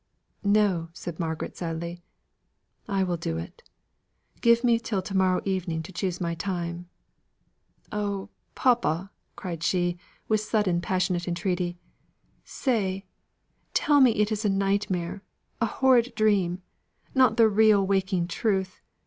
"No," said Margaret, sadly, "I will do it. Give me till to morrow evening to choose my time. Oh, papa," cried she with sudden passionate entreaty, "say tell me it is a nightmare a horrid dream not the real waking truth!